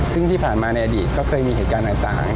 ซึ่งที่ผ่านมาในอดีตก็เคยมีเหตุการณ์ต่าง